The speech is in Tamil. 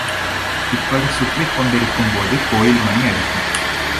இப்படிச் சுற்றிக் கொண்டிருக்கும் போது கோயில் மணி அடிக்கும்.